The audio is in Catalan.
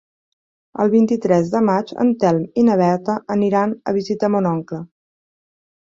El vint-i-tres de maig en Telm i na Berta aniran a visitar mon oncle.